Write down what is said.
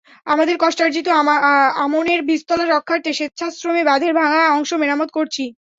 আমাদের কষ্টার্জিত আমনের বীজতলা রক্ষার্থে স্বেচ্ছাশ্রমে বাঁধের ভাঙা অংশ মেরামত করছি।